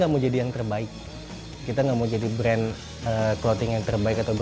menjadi brand yang berpenaruh